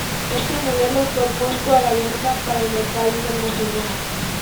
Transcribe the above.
Este modelo fue puesto a la venta para el mercado internacional.